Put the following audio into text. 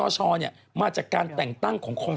จากธนาคารกรุงเทพฯ